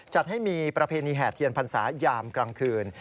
จัดให้มีประเพณีแห่เทียนพรรษายามกลางคืน